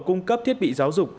cung cấp thiết bị giáo dục